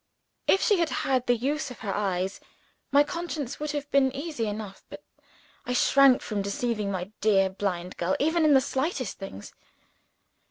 If she had had the use of her eyes, my conscience would have been easy enough but I shrank from deceiving my dear blind girl, even in the slightest things.